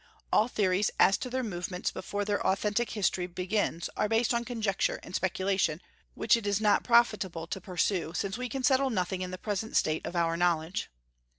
All theories as to their movements before their authentic history begins are based on conjecture and speculation, which it is not profitable to pursue, since we can settle nothing in the present state of our knowledge.